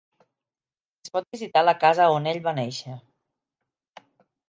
Es pot visitar la casa on ell va néixer.